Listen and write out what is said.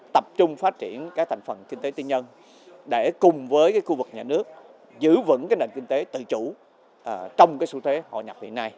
tập trung phát triển các thành phần kinh tế tiên nhân để cùng với khu vực nhà nước giữ vững nền kinh tế tự chủ trong số thế họ nhập hiện nay